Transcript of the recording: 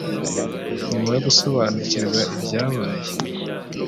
nyuma yo gusobanukirwa ibyabaye